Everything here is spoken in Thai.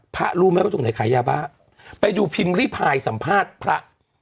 รู้ไหมว่าตรงไหนขายยาบ้าไปดูพิมพ์ริพายสัมภาษณ์พระ